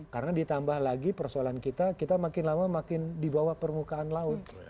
karena ditambah lagi persoalan kita kita makin lama makin di bawah permukaan laut